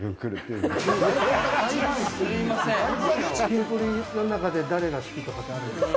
キンプリの中で誰が好きとかあります？